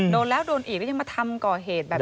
โดนแล้วโดนอีกแล้วยังมาทำก่อเหตุแบบนี้